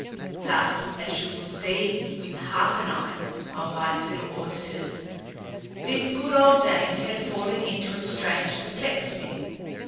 Thus (as you will see with half an eye, my wise little auditors) these good old dames had fallen into a strange perplexity.